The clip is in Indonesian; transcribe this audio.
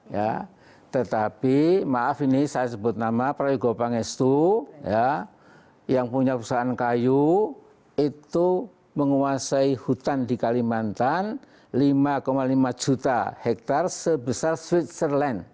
ya tetapi maaf ini saya sebut nama prayugopangestu ya yang punya perusahaan kayu itu menguasai hutan di kalimantan lima lima juta hektar sebesar switzerland